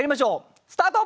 スタート！